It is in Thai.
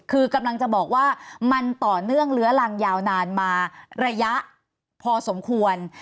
คือกำลังจะบอกว่ามันต่อเนื่องเลื้อรังยาวนานมาระยะพอสมควร